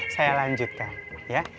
saya lanjutkan ya